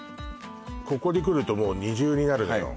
ここにくるともう二重になるのよ